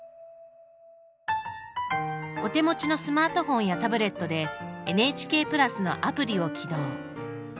お手持ちのスマートフォンやタブレットでＮＨＫプラスのアプリを起動。